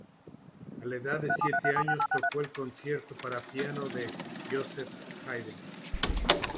A la edad de siete años tocó el concierto para piano de Joseph Haydn.